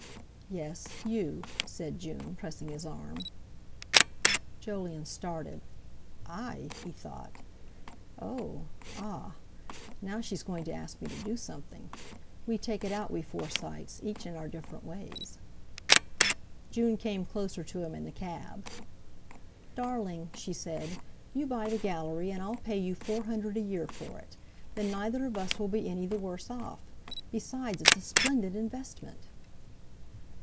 "Yes, you," said June, pressing his arm. Jolyon started. "I?" he thought. "Oh! Ah! Now she's going to ask me to do something. We take it out, we Forsytes, each in our different ways." June came closer to him in the cab. "Darling," she said, "you buy the Gallery, and I'll pay you four hundred a year for it. Then neither of us will be any the worse off. Besides, it's a splendid investment."